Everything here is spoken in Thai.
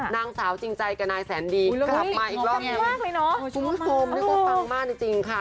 นางสาวจริงใจกับนายแสนดีกลับมาอีกรอบนึงคุณผู้ชมนึกว่าปังมากจริงค่ะ